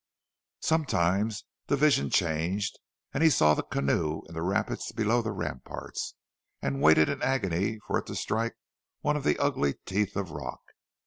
Sometimes the vision changed, and he saw the canoe in the rapids below the ramparts, and waited in agony for it to strike one of the ugly teeth of rock.